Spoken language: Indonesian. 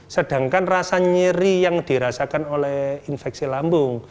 sedangkan rasa nyeri yang dirasakan oleh infeksi lambung